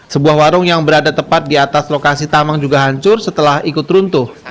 sebuah warung yang berada tepat di atas lokasi tamang juga hancur setelah ikut runtuh